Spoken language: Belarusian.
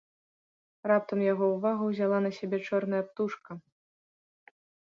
Раптам яго ўвагу ўзяла на сябе чорная птушка.